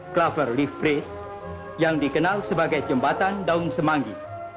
clover leaf bridge yang dikenal sebagai jembatan daun semanggi